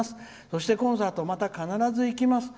そして、コンサートまた必ず行きます」。